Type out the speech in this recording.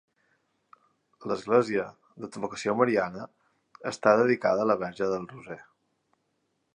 L'església, d'advocació mariana, està dedicada a la Verge del Roser.